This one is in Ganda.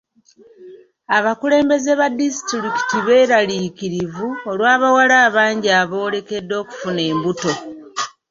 Abakulembeze ba disitulikiti beeraliikirivu olw'abawala abangi aboolekedde okufuna embuto.